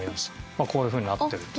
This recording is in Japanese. まあこういうふうになってると。